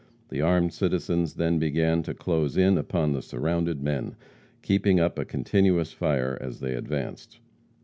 The armed citizens then began to close in upon the surrounded men, keeping up a continuous fire as they advanced.